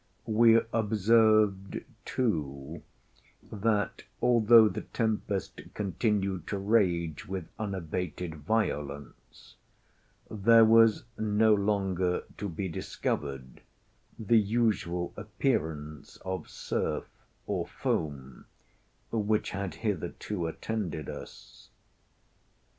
We observed too, that, although the tempest continued to rage with unabated violence, there was no longer to be discovered the usual appearance of surf, or foam, which had hitherto attended us.